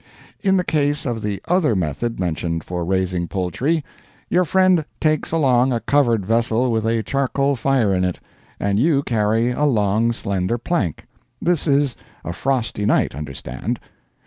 In the case of the other method mentioned for raising poultry, your friend takes along a covered vessel with a charcoal fire in it, and you carry a long slender plank. This is a frosty night, understand.